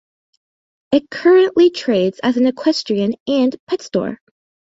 It currently trades as an equestrian and pet store.